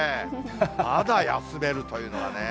まだ休めるというのがね。